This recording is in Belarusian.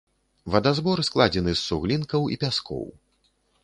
Вадазбор складзены з суглінкаў і пяскоў.